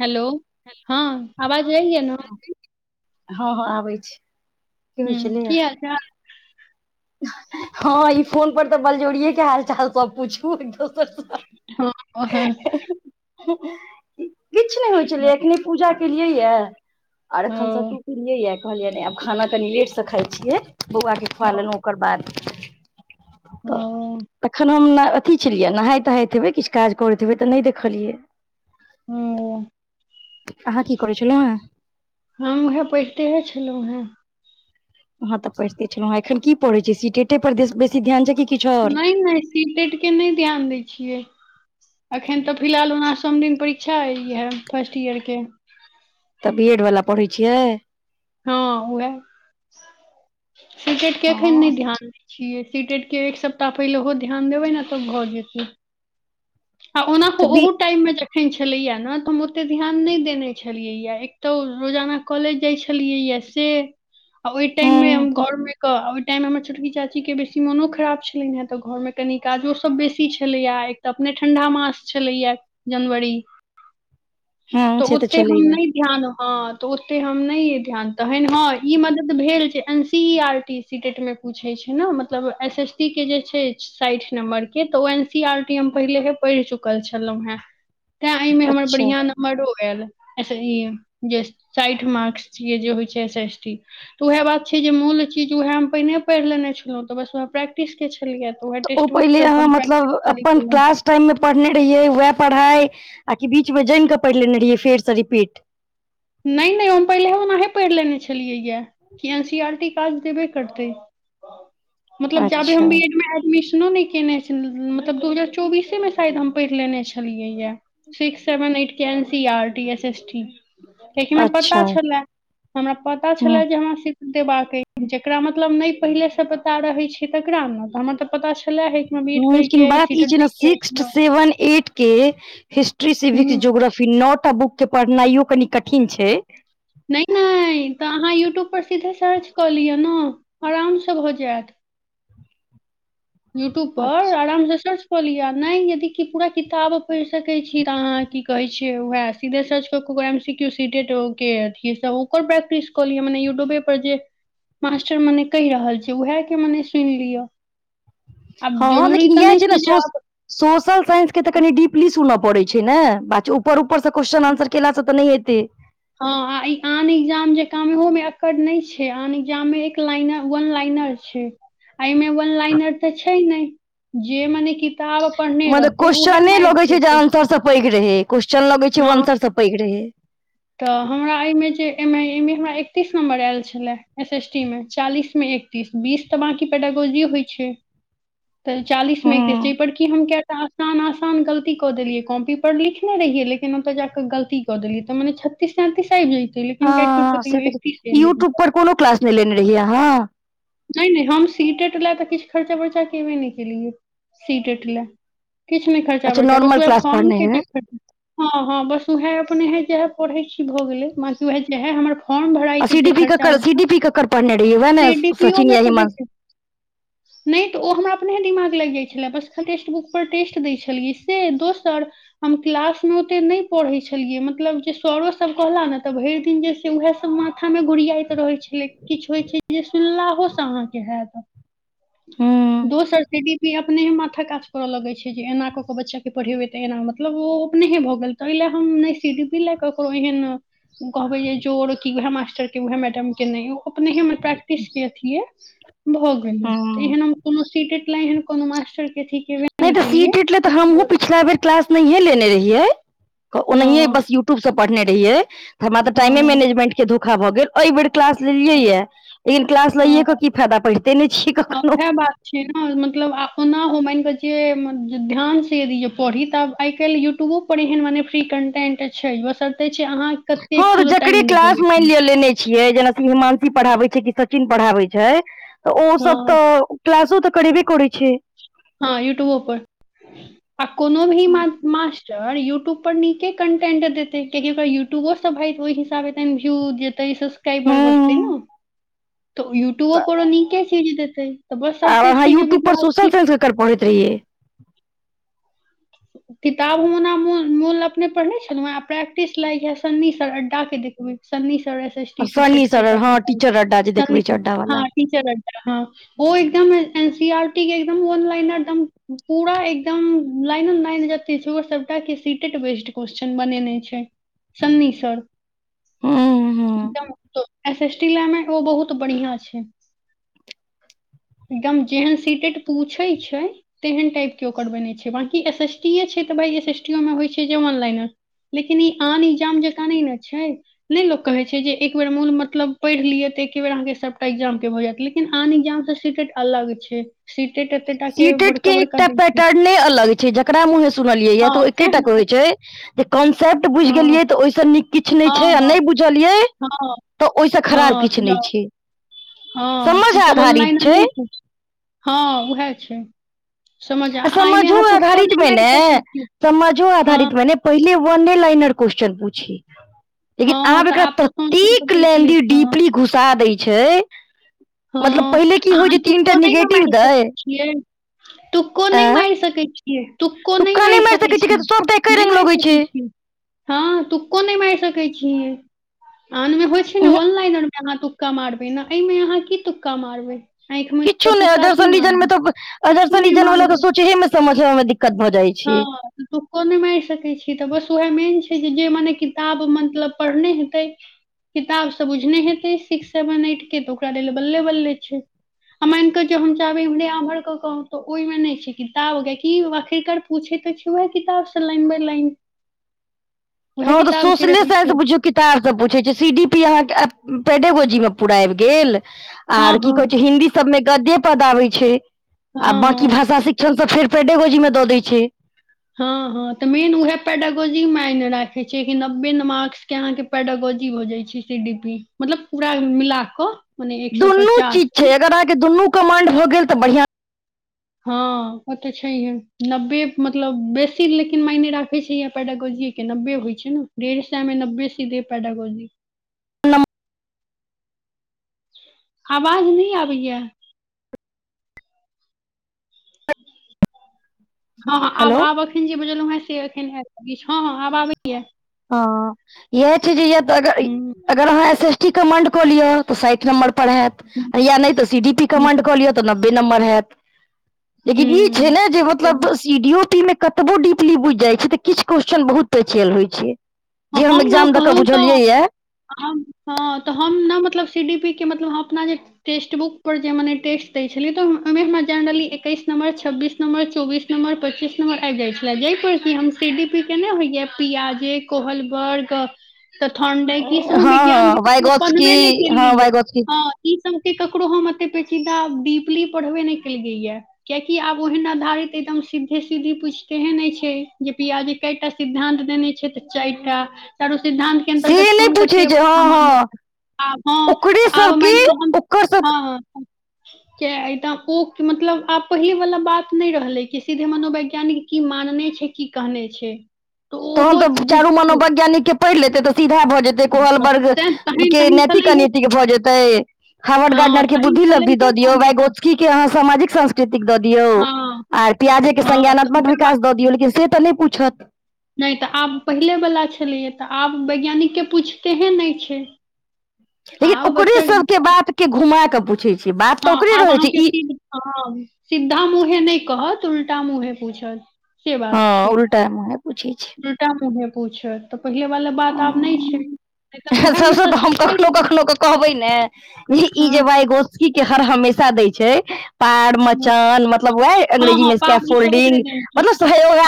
Hello हँ आवाज जाय य न हँ हँ आबै छै की हू होइ छलैया की हाल चाल हँ ई फोन पर तऽ बलजोड़ियएके हाल चाल सब पुछू एकदम हाँ किछु नहि होइ छलै एखने पूजा केलियैया आर एखन स ओ तू पिलियै य कहलियै ने आब खाना कनि लेट से खााय छियै बौआकेँ खुआ लेलहुँ ओकर बाद तऽ ह तखन हम अथी छलियै नहायत तहायैत हेबै किछु काज करैत हेबै तऽ नहि देखलियै ह अहाँ की करै छलो ह हम उएहे पैढितेहे छलहुँ हेँ अहाँ तऽ पढ़िते छलहुँ हेँ एखन की पढ़ैत छै सिटेटे पर बेसी ध्यान छै किछु आओर सिटेट के नहि ध्यान दै छियै अखन तऽ फिलहाल ओना सोम दिन परि क्षा इहै फर्स्ट ईयरके तऽ बी एड वाला पढ़ै छियै हँ उहे सिटेट के एखन नहि हँ ध्यान दैछिये छियै सीटेट के एक सप्ताह पहिलेहो ध्यान देबै ने तऽ भऽ जेतै ह ओना तऽ बी ओहो टाइममे जे एन छलेया ने तऽ हम ओते ध्यान नहि देने छलियै या एक तो रोजाना कॉलेज जाय छलियै या से आ ओहि टाइम हँ मे हम घर मे केऽ ओहि टाइममे हमर छोटकी चाचीके बेसी मोनो खराब छलनि हेँ तऽ घरमे कनी काजो सभ बेसी छलैए एकटा अपने ठंडा मास छलैया जनवरी हँ तऽ से ओते हम छलैया नहि ध्यान हँ तऽ ओते हम नहि ये ध्यान तखन हँ ई मदद भेल छै N C E R T CTET मे पूछै छै ने मतलब एस एसटी के जे छै साठि नम्बर के तऽ ओ N C R T M पहिले पढ़ चुकल छलहु हे तें एहि मे हमर अच्छा बढ़िया मरो आयल ई जे साठि मार्क्स य जे होइ छै एस एस टी तऽ उएह बात छै जे मूल चीज उएह हम पहिने पढ़ि लेने छलहुँ तऽ बस उएह प्रैक्टिस के छलियै उहा ओ टेस्ट बुक्स पहिले अहाँ मतलब प्रै्टिस अपन क्लास टाइम में पढ़ने रहियै वएह पढ़ाई आ बीच मे जमिके पढ़ि लेने रहियै फेर से रिपीट नहि नहि हम पहिले ओनाहे पढ़ि लेने छलियै यए कि एन सी आर टी काज देबे करतै मतलब जाबे हम अच्छा बी एड मे एडमिशनो नहि केने छल मतलब दू हजार चौबीसे मे शायद हम पढ़ि लेने छलियै य सिक्स सेवन एट क N C R T S ST कियेकि हमरा पता अच्छा छलए हमरा पता ह छलए जे हमरा स देबाक अछि जकरा मतलब नहि पहिलेसँ पता रहैत छै तकरा ने हमर तऽ पता छलै हय एक बि ए ड करी के आ सीटेट वन एट के हिस्ट्री सिविक्स हुँ ज्योग्रफी नओ टा बुक के पढ़नाइयो कनि कठिन छै नहि नहि तऽ अहाँ यूट्यूबपर सीधे सर्च कऽ लिअ ने आरामसँ भऽ जायत यूट्यूब पर अच्छा आराम से सर्च लि नहि यदि कि पूरा किताब पढ़ि सके छी त अहाँ की कहे छियै उएह सीधे सर्च क के ओकर एमसीकयू सीेटेट ओकर प्रै्टिस क लिय मने यूट्यूबे पर जे मास्टर मने कहि रहल छी उएहे के मने सुनि लियअ हँ लेकिन इएह छै ने जे सर आब सोशल साइंसके तऽ कनि डीपली सुनय पड़ैत छै ने बात‌ ऊपर ऊपर से क्वेश्चन आन्सर केलासँ तऽ नहि हेतै हँ आ ई आन एग्जाम जे काम ओहो में एककड़ नहि छैय आन एग्जाम मे एक लाइन वन लाइनर छैय एहिमे वन लाइनर तऽ छैय नहि जे मने कि त आब अपन नहि रहतै उएहे मारि पेतै। पैग रहे क्वस्चन लगै छैय हँ आन्सर स पैघ रहै। तऽ हमरा एहिमे जे एम आ एहिमे हमरा एकतीस नम्बर आयल छलए एस एस टी मे चालीसमे एक स बीस तऽ बाकी पेडागोजी होय छै त चालीस मे एकतीस हूँ जा पर की हम आसान आसान गलती कऽ देलियै कॉपी पर लिखने रहियै लेकिन ओत जाकऽ गलती कऽ देलियै। तऽ मने छत्तीस सैंतीस आबि जाइतै लेकिन काटि कुट हँ क से तैयो तऽ एकतीस एलय। यूट्यूब पर कोनो क्लास नहि लेने रहियै अहाँ? नहि नहि हम सीटेट ला तऽ किछु खर्चा बर्चा केबे नहि केलियै सीटेट ला। किछ नहि खर्चा अच्छा बरचा बस नॉर्मल ओएह क्लास पढ़ने फॉर्मके हेबै ख हँ हँ बस उएहे अपने हे जहे पढ़े छी भ गेले म उएहे जहे हमर फॉर्म भराइ आ के सी जे डी पी खर्चा ककर सी बरचा डी पी ककर पढ़ने रहियै वएह ने से डीपी‌ सचिन मे या बे हिमांश नहि तऽ ओ हमरा अपने हे दिमाग लागि जाइत छलै बस टेक्स्ट बुक पर टेस्ट दै छलियै से दोसर हम क्लासमे ओतेक नहि पढ़ैत छलियै मतलब जे सरोसभ कहला ने तऽ भरि दिन जे उएह सब माथा में गुड़ियाइत रहे छलै किछु होइ छैय जे सुनला होसे आहाँके हैत हूं दोसर जे [unintelligible] अपनेहे माथा काज करऽ लगै छैय जे एना क केऽ बच्चा के पढ़ेबै तऽ एना मतलब ओ अपनेहे भऽ गेल। तहि ले हम नहि सि डी पी ले ककरो एहन कहबै जे की उहै मासटर के उहै मैडम के नहि अपने हमर प्रैक्टिस के अथी य भऽ गेलै त हूं एहन हम कोनो सीटेट ल एहन कोनो मास्टर के केबे नहि तऽ केलियै सीटेट ले तऽ हमहुँ पिछला बेर क्लास नहि लेने रहियै ओनाहीए हँ बस यू टूब से पढ़ने रहिय त हमरा तऽ टाइमे हँ मैनेजमेंट के धोखा भ गेल। एहि बेर क्लास लेलियै हँ या लेकिन क्लास हँ लैए कऽ की फायदा पढ़िते नहि छियै कखनो। छैय ने मतलब अपना मानिके छिय ध्यान से य पढ़ी तऽ आब आइ काल्हि यूट्यूबो पर एहन मने फ्री कन्टेंट छैय बशर्ते छैय अहाँ कते ह त खुद जकरे टाइम क्लाास लगेबै मानि लिय लेने छियै जेना की हिमानंशी पढ़ाबै छैय कि सचिन पढ़ाबै छैय तऽ ओ सब हँ तऽ क्लासो तऽ करेबे करय छैय। हँ यूट्यूबो पर। आ कोनो भी मास्टर यूट्यूब पर नीके कन्टेंट देतय। कियकि ओकरा यूट्यूबो सब भ ओहि हिसाबेन भिव जे तय सबक्राइबर बढ़तै हूँ न तऽ य [unintelligible] कोनो नीके चीज देतै तऽ बशर्ते छैय जे विद्यार्थी कर पढैत रहियै। किताब हम ओना मोन अपने पढ़ने छलहु ह प्रैक्टिस लाग ह सन्नी सर अड्डा के देखबय। सन्नी सर एस एस आ टी सन्नी सीटेड के सर हँ करबय टीचर अड्डा जे देखबै छै छथिन अड्डा वाला हँ टिचर अड्डा हँ। ओ एकदम एन सी आरटी के एकदमन ल एकदम पूरा एकदम लाइनों लाइन जेते छैय सबटा के सीटेट बेस्ड क्वेश्चन बनेने छैय। सन्नी सर। हूँ हूँ एस एस टी ल मे ओ बहुत बढ़िया छैय। एकदम जेहन सीटेट पूछैय छैय तेहन टाइपके ओकर बनैय छैय बाँकी एस एस टीए छैय तऽ बाइ एस एस टीओमे होइत छैय जे ऑनलाइनर। लेकिन ई आन इजाम जका नहि रहय छैय। नहि लोक कहैत छैय जे एक बेेर मोन मतलब पढ़ि लियै तऽ एके बेर अहाँके सभटा एकग्जामके भऽ जायत लेकिन आन एकग्जामसँ सिटेट अलग छैय। सीटेट के एकटा छै पैटर्न अलग छैय जकरा मुँहे सुनलियै य हँ तऽ ओ सएह एकेटा ने कहइ छैय जे कॉन्सेप्ट बुझि हँ गेलियै तऽ ओहिसँ नीक किछु नहि हँ छैय आ हँ नहि बुझलियै हँ तऽ ओहिसँ खराब हँ किछु तऽ नहि जाउ छैय हँ समझ तऽ ई तऽ वन आधारित लाइनर नहि छैय। छै हँ उएह छै समझ आ एहिमे समाजो अहाँ तुक्को आधारित नहि मे मारि ने सकै छी समाजो हँ आधारित मे ने पहिले वने लाइनर क्वेेश्चन पूछऐ लेकिन हँ आब तऽ एकरा तऽ संस्कृत ततेक बदलि गेलै लेंदी हँ डीपली घुसा दै छै मतलब हँ पहिले की होइ जे तीन टा नेगेटिव दै ए -तु को आ नहि मारि सकै छी यए तूक को तू न काने मारि सकै छै तऽ सबटा एके नहि रंग मारि लगै छै सकै छी हँ तूको नहि मारि सकै छिय आनमे होइ छै ने उहुं, ऑनलाइन आर अहाँ तुक्का मारबै ने एहिमे अहाँ की तुक्का मारबै आँखिमे किछु नहि तुक्का की अदरसजीन मे मारबै तऽ किछो नहि अदरसजीवला के मारबै सोचहे मे समझय मे दिक्कत भऽ जाइ छै तूको नहि मारि सकै छी तऽ बस उएह मेन छै जे जे मने किताब मतलब पढ़ने हेतै किताब सब बुझने हेतै सिक्स सेवन एट के तऽ ओकरा लेल बल्ले बल्ले छै आ मान कऽ जे हम चाहे इम्हरे आमहर के कह त ओहिमे मे न छै किताब की आखिर पूछे तऽ छ है किताबसँ लाइन बाय लाइन उएह हँ तऽ किताब के सोसले रहै साइंस छै बुझु किताब सब पूछे छै सी डी पी अहाँके पेडेगोजी मे पूरा आबि गेल हँ आर की हँ कहे छै हिन्दी सब में गद्दे पद आबै छै आ हँ बद ई हँ भाषा शिक्षण सब फेर पेडेगोजी मे द देय छै हँ हँ तऽ मेन उहै पेडगोजी मने राखैत छैै कि नब्बे मार्कसके अहाँके पेडोगोजी हो जाइ छै सी डी पी मतलब पूरा मिल कऽ मने एक सए दुनू पचास चीज मे छै अगर अहाँके दुनू कमाण्ड हो गेल तऽ बढ़िआँ हँ ओ तऽ छैहे नब्बे मतलब बेसी लेकिन मायने राखे छै पैडागोजी नबे होइ छै ने डेढ़ सएमे नबे सीध पेडोगोजी न [inaudible] आवाज नहि आबैया हँ आब हेलो आब एखन जे बझलहुँ हेँ से एखन आयल हँ हँ आब आबैया हँ इएह छै जे य तऽ अगर हूँ अगर अहाँ एस एसटी कमांड कऽ लिय तऽ साठ नम्बर पर हयैत हूँ या नहि तऽ सीडी पी हूँ कमांड कऽ लिय त‌ नब्बे हैत लेकिन इ‌ छै हूँ ने जे ताहि मतलब दुआरे सीडी ओ पी मे कतब डपली बुझि जाइ छै त किछु क्वेशस्चन बहुत पचल होइ छै ह जे हम ने एग्जाम दऽ कऽ कहू तऽ बुझलियै ये हम हँ तऽ हम ने मतलब सी डी पी के मतलब अपना जे टस्ट बुक पर जे मने टस्ट दै छलिय तऽ अमे हम जनरल एकैस नंबर छब्बीस नम्बर चौबीस नम्बर पच्चीस नम्बर आबि जाइ छले जाहि पर कि हम सी डी पी केने होइया प्याजे कोहलबर्ग को तऽ ठण्ड में ई सब हँ हम विज्ञान के हँ कानों वाइगोत्सकी पढ़बे नहि केलियै हँ य वाइगोत्सकी हँ ई सब के ककरो हम एते पेचीदा डीपली पढ़बे नहि केलियै या कियकि आब ओहन आधारित एकदम सीधे सीधी पूछतेहे नहि छै जे पियाजे कैकटा सिद्धान्त देने छै तऽ चारि टा चारू सिद्धान्त के से अन्तर्गत नहि कोन कते पूछै छै अवस्था हँ हँ मानैत छैथ आ हँ ओकरे तऽ आब माइन सबके कऽ हम ओकर सब हँ हँ के ऐठम ओ मतलब आब पहिले वला बात नहि रहले कि सीधे मनोवैज्ञानिक की मानने छै की कहने छै तऽ तहन ओहो तऽ जे चारू मनोवैज्ञानिक के पढ़ि लेतै तऽ सीधा भऽ जेतै कोलवर्ग तहन के तहन नैतिक छलैहे अनैतिक भऽ जेतै हावड़ हँ गार्डनर के तहन बुद्धि लब्धि छलैहे दऽ दियौ पंडित वैगोतकी के आंहा सामाजिक संस दऽ दियऔ हँ आर प्याजे के हँ तऽ संज्ञानात्मक उएह बात विकास दऽ छै दियौ लेकिन से तऽ नहि पूछत नहि तऽ आब पहिलेवला छलैया तऽ आब वैज्ञानिक के पूछतेहे नहि छै लेकिन आब ओकरे बच्चा सबके बात के घुमा क पूछै छियै बात हँ तऽ ओकरे आब रहै छै अहाँके ई सीध हँ सिधा मुँहे नहि कहत उल्टा मुँहे पूछत से हँ बात छै उल्टा मुहे बुझै छै उल्टा मुहे पूछत तऽ पहिले वाल बात आब नइ छै एखन उएहमे सबस सँ तऽ सब हम कखनो काटि दै कखनो छै। के कहबै न ई हँ जे बाय गोस्ट की के हर हमेशा दै छै पैड हँ मचान मतलब वह हँ अंग्रेजी हँ मे एक्ये पाबनि ई सब फोल्डिंग ओकरे देन छै मतलब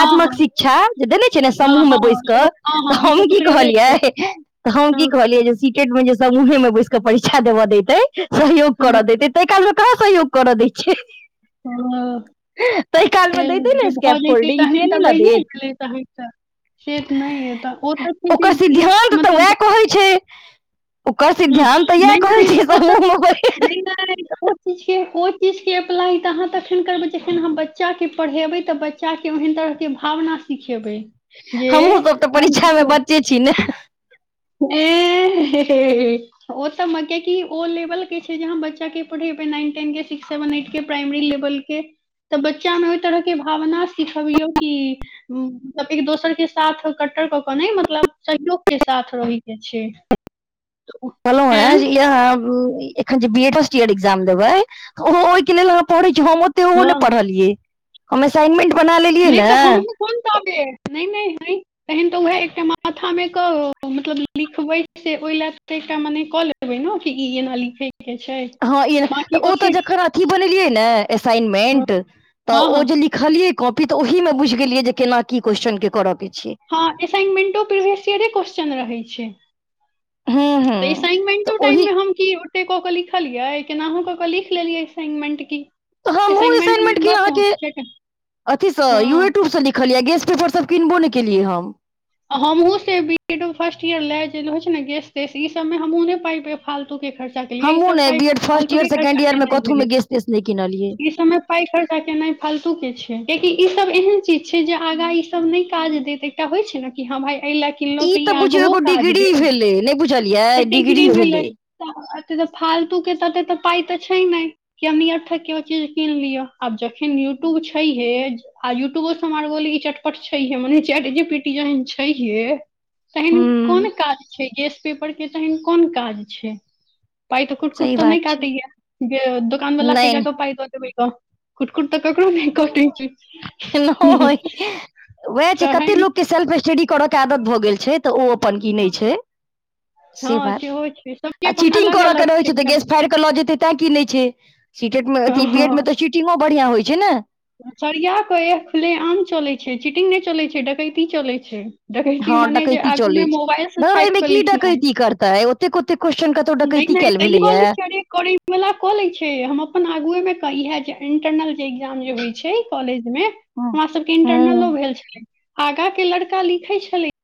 हँ हँ शिक्षा जे देने छै ने हँ समूह मे हँ बैस क सब हँ हँ तऽ ई हम सब की ओकरे हे छै कहलियै तऽ हम की हँ कहलियै जे सीटेट मे जे समुहे मे बैस क परीक्षा देबअ दैतेै सहयोग हँ करअ देते तइ काल काहाँ सहयोग करअ देय छै ह ताहि काल से मे देतै जे ने भऽ स्कैप जैतै फोल्डिंग से तहन नहि तऽ ने भैये देत गेलै तहन से त नइ एतअ ओतअ छै की ओकर इस सिद्धांत तऽ मतलब वएह कहै छै ओकर हँ, सिद्ध्यांत तऽ इएह नहि कहै नहि छै समूह म [unintelligible] सोचै छियै ओइ चीज के अप्लाई त अहाँ तखैन करबै जखन अहाँ बच्चा के पढ़ेबैे तऽ बच चा के ओहेन तरहक के भावना सिखेबै जे हमहुँ सब तऽ मानि परीक्षा मे बच्चे छी न ऐय हे हेय ओत मके की ओ लेवल के छै जहाँ बच्चा के पढ़ेबे नाइन टेन के सिक्स सेवन एट के प्राइमरी लेवल के तऽ बच्चा मे ओहि तरह के भावना सिखबियौ कि [unintelligible] दोसर के साथ कट्टर कऽ के नइ मतलब सहयोग के साथ रहैय के छै तऽ ओ- कहलौह हे एँ जे इहेय एखन जे B Ed first year exam देबै त ओहो ओहिके लेल अहाँ पढ़ै छी हम ओते ओहो हँ नइ पढ़लियै हम असाइनमेंट बना लेलियै नहि तऽ न हमहूँ कोन ताबे नहि नहि नहि तहन तऽ उएह एकटा माथा मे क मतलब लिखबै से ओहि लए एकटा मने क ले [unintelligible] कि ई एना लिखै के छै हँ ई तऽ बाँकी ओ तऽ ओते जखन अथी बनेलियै ने हँ असाइनमेंट तऽ ओ हँ जे लिख खलियै कॉपी तऽ ओहि मे बुझि गेलियै जे केना की क्वेश्चन के करअ के छै हँ एसाइनमेंटो प्रिविसियरे क्वेश्चन रहै छै हूँ हूँ त असाइनमेंटो तऽ टाइम ओही मे हम की ओते कऽ के लिखलिये केनाहु कऽ क लिख लेलियै एसाइमेंट की हमहु असाइनमेंटमे असाइनमेंट के बस आहा के अथी स हँ यूट्यूब से लख खलियै गेस पेपर सब किनबो नहि केलियै हम हमूँ से बी एडो फर्स्ट इयर ले जे छै ने गेस तेस ई सब मे हमहुँ नइ पाइ फालतू के खर्चा केलिए ई हमहुँ सब ने पाइ बी एड फर्स्ट फालतू ईयर के खर्चा सेकेंड ईयर मे केनाइ कथहु मे भेलै गेस तेस नहि किनलियै ई सबमे पाइ खर्चा केना फालतू के छै कियाकि ई सब एहन चीज छै जे आगा ई सब नय काज देत एकटा होइ छै न की कि हँ भाई एहि ल किनलहुँ तऽ ई बुझियौ आगहो एगो काज डिग्री देत ई भेलै नहि बुझलियै तऽ डिग्री भेलै त अते तऽ फालतू के तऽ एते तऽ पाइ तऽ छै नइ कि हमनीअर्थक के चीज कीन लियअ आब जखैन यूट्यूब छैहे आ यूट्यूबो सँ हमार गोली चट पट‌ छै हे माने चेट जी पी टी जहन छैे हे तहन हूँ कोन काज छै गेस पेपर के तहन कोन काज छै पाई तऽ कुट कुट सही तऽ बात नइ छै कटैय यऽ जेऽ दुकानवला केऽ नहि जा क पाई दऽ देबै गऽ कुटकुट तऽ ककरो नहि कटै छै [unintelligible] वेह छै कते तहन लोकके सेल्फ स्टडी करय के आदत भऽ गेल छै तऽ ओ अपन की नइ छै से हँ बात सेहो छै सबके आ अपन चीटिंग अलग करयके अलग रहै छै तऽ गैस फाड़ि कऽ लऽ जेतै तैँ किनैय छै सी टेट म अथि बी एड मे तऽ चीटिंगो बढ़िआ होइ छै न सरिआ कऽ एह खुले आम चलै छै चिटिंग नहि चलै छै डकैती चलै छै डकैती हँ मने जे डकैती आगू मे चलै मोबाइल से धउर छापि ओमे कऽ की लिखनाइ डकैत करतै ओतेक ओतेक क्वेश्चन क नहि नहि तैयो लै छै अरे करै वला कऽ लै छै हम अपन आगुए मे इहै जाय इंटरनल जे एग्जाम जे होइ छै कॉलेज मे हमरा सबके हूँ इंटरनलो भेल छलै आगा के लड़का लिखै छलै